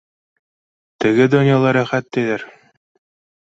— Теге донъяла рәхәт, тиҙәр.